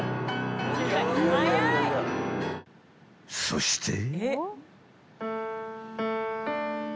［そして］